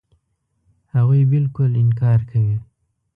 هغوی بالکل انکار کوي.